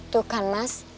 tuh kan mas